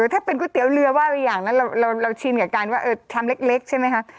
ถ้าเป็นก๋วยเตี๋ยวเรือว่าอย่างนั้นเราชินกับการว่าชามเล็กใช่ไหมคะ